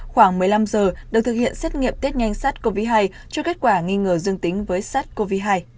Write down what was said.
khoảng một mươi năm giờ được thực hiện xét nghiệm tiết nhanh sars cov hai cho kết quả nghi ngờ dương tính với sars cov hai